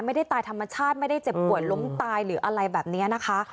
ไม่ได้ตายธรรมชาติไม่ได้เจ็บปวดล้มตายหรืออะไรแบบนี้นะคะ